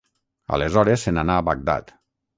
Aleshores se n'anà a Bagdad.